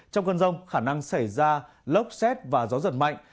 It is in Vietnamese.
trong cơn rông khả năng xảy ra lốc xét và gió giật mạnh